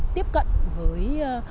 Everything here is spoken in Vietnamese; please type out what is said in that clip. tiếp cận với